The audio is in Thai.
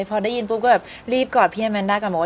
พอได้ยินก็รีบกอดพี่แมนด้ากลับมา